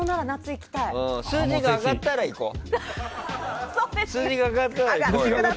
数字が上がったら行こうよ。